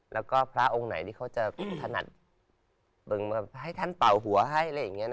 แล้วก็พระองค์ไหนที่เขาจะถนัดให้ท่านเป่าหัวให้